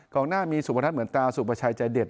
กลางหน้ามีสุพทัศน์เหมือนตาสุพชัยใจเด็ด